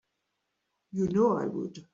You know I would.